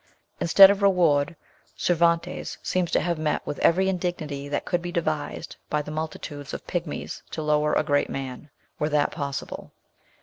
Instead of reward, Cervantes seems to have met with every indignity that could be devised by the multitudes of pigmies to lower a great man, were that possible.